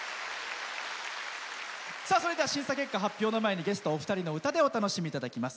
それでは審査結果発表の前にゲストお二人の歌でお楽しみいただきます。